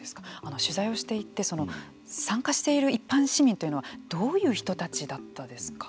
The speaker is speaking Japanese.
取材をしていて参加している一般市民というのはどういう人たちだったですか。